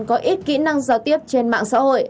có ít kỹ năng giao tiếp trên mạng xã hội